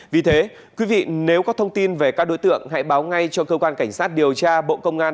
vì thế quý vị nếu có thông tin về các đối tượng hãy báo ngay cho cơ quan cảnh sát điều tra bộ công an